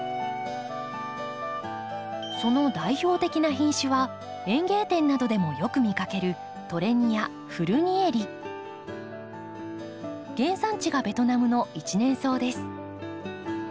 その代表的な品種は園芸店などでもよく見かける原産地がベトナムの一年草です。